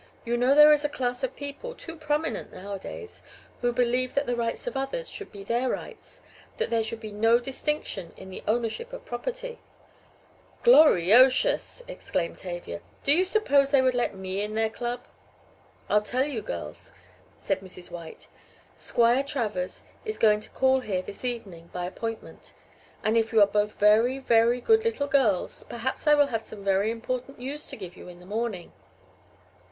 You know there is a class of people, too prominent nowadays, who believe that the rights of others should be their rights. That there should be no distinction in the ownership of property " "Gloriotious!" exclaimed Tavia. "Do you suppose they would let me in their club?" "I'll tell you, girls," said Mrs. White. "Squire Travers is going to call here this evening by appointment. And if you are both very, very good little girls, perhaps I will have some very important news to give you in the morning."